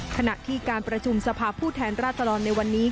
ขณะที่การประชุมสภาพผู้แทนราษฎรในวันนี้